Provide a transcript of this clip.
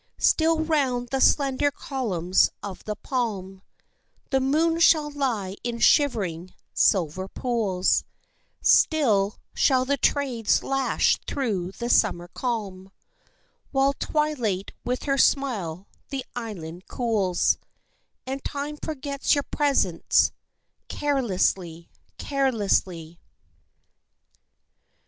Still round the slender columns of the palm The moon shall lie in shivering, silver pools, Still shall the trades lash through the summer calm While twilight with her smile the island cools And Time forgets your presence, carelessly, carelessly.